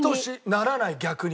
ならない逆に。